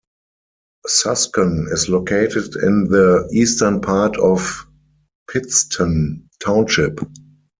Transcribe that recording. Suscon is located in the eastern part of Pittston Township.